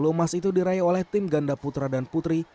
sepuluh emas itu diraih oleh tim ganda putra dan putri